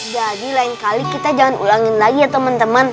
jadi lain kali kita jangan ulangin lagi ya teman teman